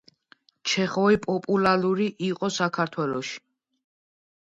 ჩეხოვი პოპულარული იყო საქართველოში.